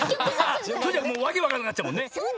それじゃあわけわかんなくなっちゃうもんね。